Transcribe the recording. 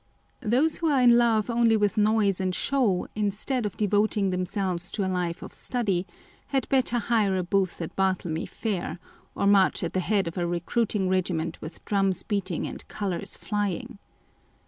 Those who are in love only with noise and show, instead of devoting themselves to a life of study, had better hire a booth at Bartlemy Fair, or march at the head of a re cruiting regiment with drums beating and colours flying